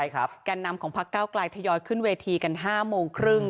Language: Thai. แก่นนำของพักเก้าไกลทยอยขึ้นเวทีกัน๕โมงครึ่ง